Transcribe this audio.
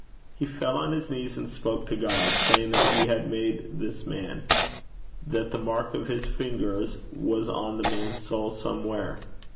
He fell on his knees, and spoke to God, saying that he had made this man; that the mark of his fingers was on the man's soul somewhere.